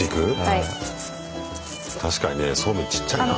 確かにねそうめんちっちゃいなあ。